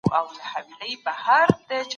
که کورنۍ ملاتړ جاري وساتي، ماشوم نه ناهیلی کېږي.